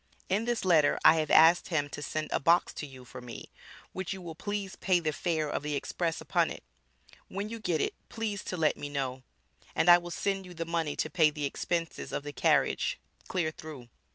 In this letter I have asked him to send a box to you for me, which you will please pay the fare of the express upon it, when you get it please to let me know, and I will send you the money to pay the expenses of the carriage clear through.